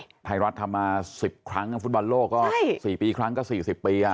ไทยรัฐทำมา๑๐ครั้งฟุตบอลโลกก็๔ปีครั้งก็๔๐ปี